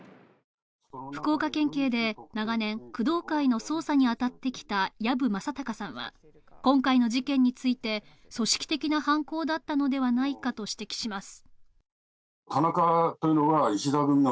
福岡県警で長年、工藤会の捜査に当たってきた藪正孝さんは、今回の事件について、組織的な犯行だったのではないかと指摘します。